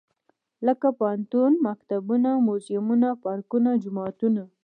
لکه پوهنتونه ، مکتبونه موزيمونه، پارکونه ، جوماتونه.